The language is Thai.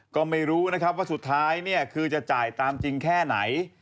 ก็ไม่รู้นะครับสุดท้ายคือจ่ายตามจริงแค่ไหน